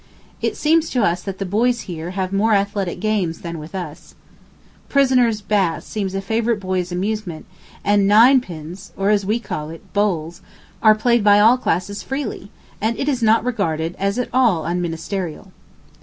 It seems to us that the boys here have more athletic games than with us. Prisoners' bass seems a favorite boys' amusement, and ninepins, or, as we call it, bowls, are played by all classes freely, and it is not regarded as at all unministerial.